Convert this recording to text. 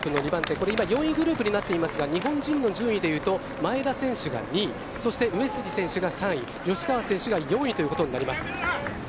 これ今４位グループになっていますが日本人の順位でいいますと前田選手が２位そして上杉選手が３位吉川選手が４位ということになります。